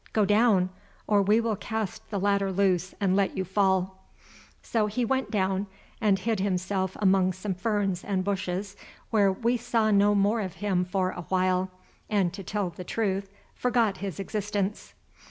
Go down, or we will cast the ladder loose and let you fall." So he went down and hid himself among some ferns and bushes where we saw no more of him for a while, and, to tell the truth, forgot his existence.